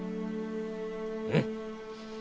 うん。